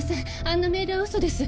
あんなメールは嘘です。